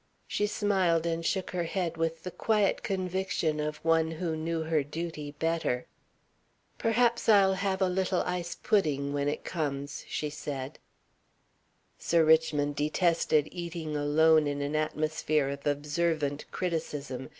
She smiled and shook her head with the quiet conviction of one who knew her duty better. "Perhaps I'll have a little ice pudding when it comes," she said. Sir Richmond detested eating alone in an atmosphere of observant criticism.